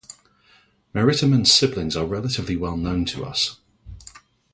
Meritamen's siblings are relatively well-known to us.